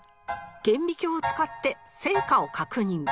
顕微鏡を使って成果を確認